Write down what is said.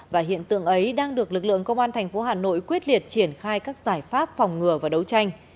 và hiện tượng ấy đang được lực lượng công an thành phố hà nội quyết liệt triển khai các giải pháp phòng ngừa và đấu tranh